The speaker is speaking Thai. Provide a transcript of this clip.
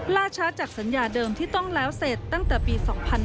ล่าช้าจากสัญญาเดิมที่ต้องแล้วเสร็จตั้งแต่ปี๒๕๕๙